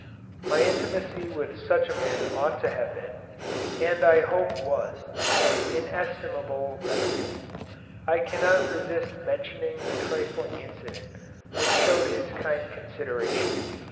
My intimacy with such a man ought to have been, and I hope was, an inestimable benefit. I cannot resist mentioning a trifling incident, which showed his kind consideration.